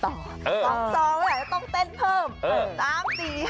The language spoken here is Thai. ซองแล้วต้องเต้นเพิ่ม